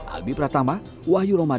albi pratama wahyu jakarta